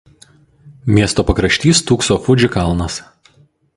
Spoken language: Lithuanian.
Miesto pakrašty stūkso Fudži kalnas.